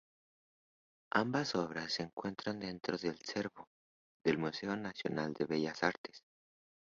Ambas obras se cuentan dentro del acervo del Museo Nacional de Bellas Artes.